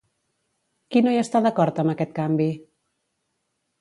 Qui no hi està d'acord amb aquest canvi?